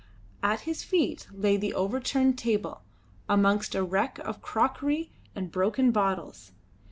At his feet lay the overturned table, amongst a wreck of crockery and broken bottles.